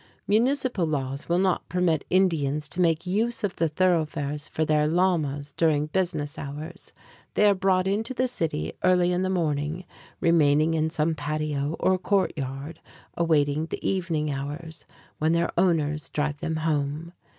Municipal laws will not permit Indians to make use of the thoroughfares for their llamas during business hours; they are brought into the city early in the morning, remaining in some patio or courtyard awaiting the evening hours, when their owners drive them home.